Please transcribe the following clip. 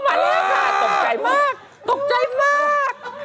อะมาแล้วค่ะตกใจมาก